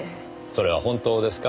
それは本当ですか？